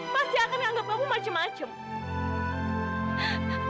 masih akan anggap kamu macem macem